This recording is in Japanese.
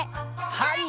はい！